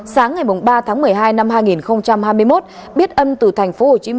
sáng ngày ba tháng một mươi hai năm hai nghìn hai mươi một biết âm từ tp hcm